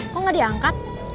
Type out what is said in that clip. kok gak diangkat